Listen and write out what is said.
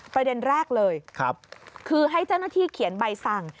ประเด็นแรกเลยคือให้เจ้าหน้าที่เขียนใบสั่ง